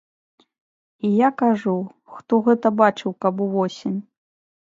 І я кажу, хто гэта бачыў, каб увосень.